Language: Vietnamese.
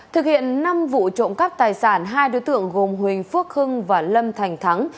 thực hiện năm vụ trộm cắp tài sản hai đối tượng gồm huỳnh phước hưng và lâm thành thắng